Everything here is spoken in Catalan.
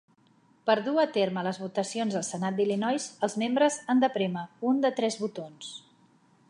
Per dur a terme les votacions al Senat d'Illinois, els membres han de prémer un de tres botons.